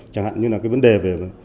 chẳng hạn như vấn đề về